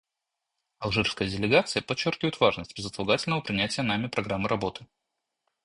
Алжирская делегация подчеркивает важность безотлагательного принятия нами программы работы.